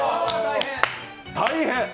大変！